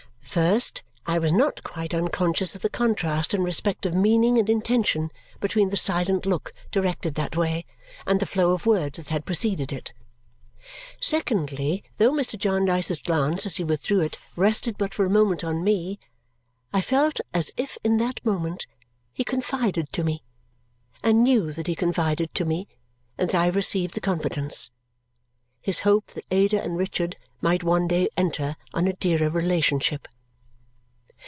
First, I was not quite unconscious of the contrast in respect of meaning and intention between the silent look directed that way and the flow of words that had preceded it. Secondly, though Mr. Jarndyce's glance as he withdrew it rested for but a moment on me, I felt as if in that moment he confided to me and knew that he confided to me and that I received the confidence his hope that Ada and Richard might one day enter on a dearer relationship.